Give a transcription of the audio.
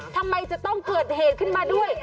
ทำไมจะต้องเกิดเหตุขึ้นมาด้วย